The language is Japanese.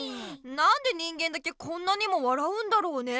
なんで人間だけこんなにも笑うんだろうね？